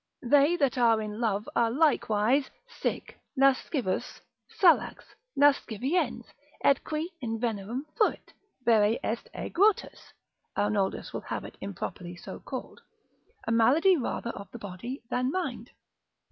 They that are in love are likewise sick; lascivus, salax, lasciviens, et qui in venerem furit, vere est aegrotus, Arnoldus will have it improperly so called, and a malady rather of the body than mind.